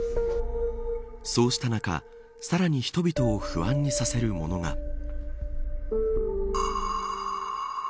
そうした中さらに人々を不安にさせるものが。